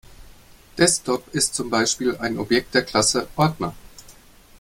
Desktop ist zum Beispiel ein Objekt der Klasse Ordner.